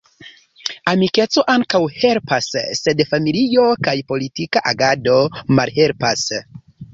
Amikeco ankaŭ helpas, sed familio kaj politika agado malhelpas.